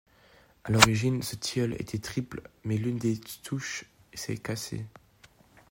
A l'origine ce tilleul était triple, mais l'une des souches s'est cassée.